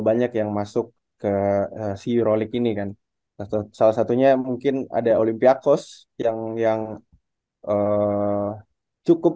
banyak yang masuk ke si rolik ini kan atau salah satunya mungkin ada olympiakos yang yang cukup